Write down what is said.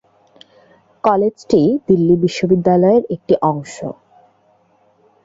কলেজটি দিল্লি বিশ্ববিদ্যালয়ের একটি অংশ।